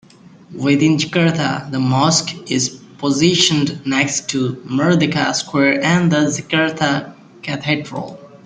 Within Jakarta, the mosque is positioned next to Merdeka Square and the Jakarta Cathedral.